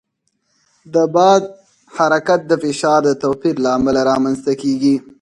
د باد حرکت د فشار د توپیر له امله رامنځته کېږي.